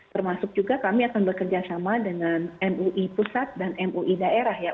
termasuk juga kami akan bekerjasama dengan mui pusat dan mui daerah ya